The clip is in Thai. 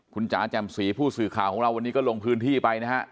คุณจ๋าแจ่มสีผู้สื่อข่าวของเราวันนี้ก็ลงพื้นที่ไปนะฮะ